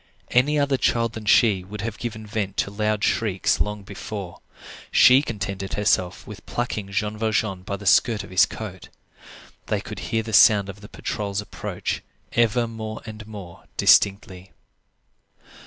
Any other child than she would have given vent to loud shrieks long before. She contented herself with plucking Jean Valjean by the skirt of his coat. They could hear the sound of the patrol's approach ever more and more distinctly.